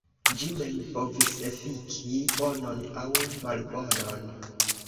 Ĝi mem povis efiki bonon aŭ malbonon.